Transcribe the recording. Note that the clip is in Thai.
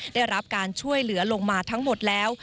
ได้รับการช่วยเหลือลงมาทั้งหมดแล้ว